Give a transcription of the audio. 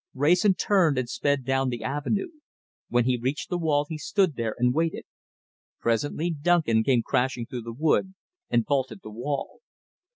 Wrayson turned and sped down the avenue. When he reached the wall, he stood there and waited. Presently Duncan came crashing through the wood and vaulted the wall.